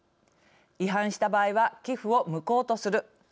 違反した場合は寄付を無効とする。